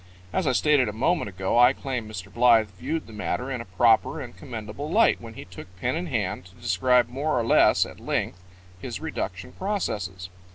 As I stated a moment ago, I claim Mr. Blythe viewed the matter in a proper and commendable light when he took pen in hand to describe more or less at length his reduction processes.